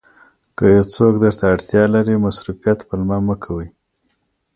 که یو څوک درته اړتیا لري مصروفیت پلمه مه کوئ.